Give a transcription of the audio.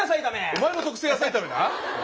お前の特製野菜炒めだな。